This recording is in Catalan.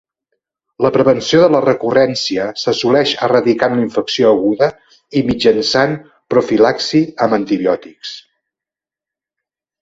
La prevenció de la recurrència s’assoleix erradicant la infecció aguda i mitjançant profilaxi amb antibiòtics.